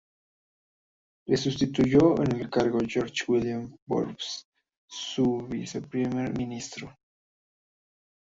Le sustituyó en el cargo George William Forbes, su viceprimer ministro.